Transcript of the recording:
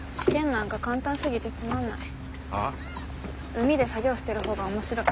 海で作業してる方が面白い。